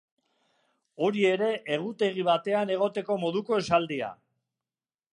Hori ere egutegi batean egoteko moduko esaldia.